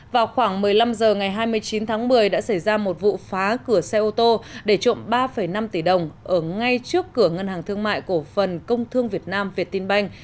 vào khoảng một mươi năm h ngày hai mươi chín tháng một mươi đã xảy ra một vụ phá cửa xe ô tô để trộm ba năm tỷ đồng ở ngay trước cửa ngân hàng thương mại cổ phần công thương việt nam việt tinh banh